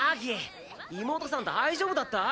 妹さん大丈夫だった？